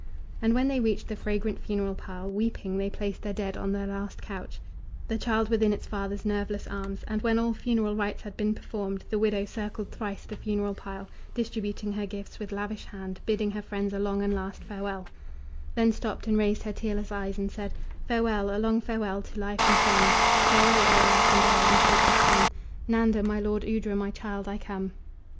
And when they reached the fragrant funeral pile, Weeping they placed their dead on their last couch, The child within its father's nerveless arms; And when all funeral rites had been performed, The widow circled thrice the funeral pile, Distributing her gifts with lavish hand, Bidding her friends a long and last farewell Then stopped, and raised her tearless eyes and said: "Farewell, a long farewell, to life and friends! Farewell! O earth and air and sacred sun! Nanda, my lord, Udra, my child, I come!"